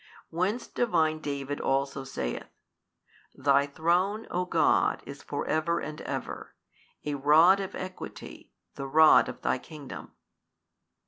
Whence Divine David also saith, Thy Throne, O God is for ever and ever, a Rod of Equity the Rod of Thy Kingdom.